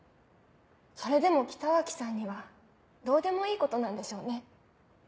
それでも北脇さんにはどうでもいいことなんでしょうね。